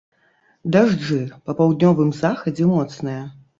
Дажджы, па паўднёвым захадзе моцныя.